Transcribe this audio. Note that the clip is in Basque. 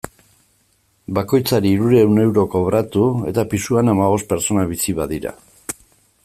Bakoitzari hirurehun euro kobratu, eta pisuan hamabost pertsona bizi badira.